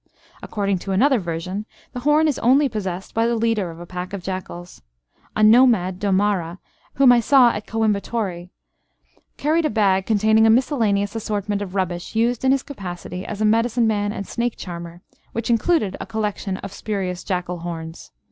According to another version, the horn is only possessed by the leader of a pack of jackals. A nomad Dommara, whom I saw at Coimbatore, carried a bag containing a miscellaneous assortment of rubbish used in his capacity as medicine man and snake charmer, which included a collection of spurious jackal horns.